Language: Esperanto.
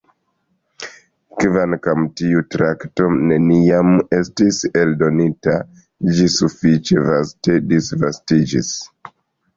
Kvankam tiu traktato neniam estis eldonita, ĝi sufiĉe vaste disvastiĝis.